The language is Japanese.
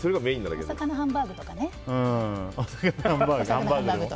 お魚ハンバーグとかね。